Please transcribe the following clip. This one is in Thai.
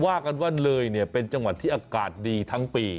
ว่ากันว่าเลยเนี่ยเป็นจังหวัดที่อากาศดีทั้งปี